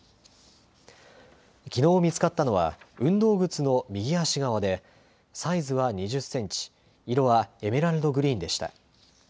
きのう見つかったのは、運動靴の右足側で、サイズは２０センチ、色はエメラルドグリーンでした。